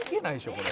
これ」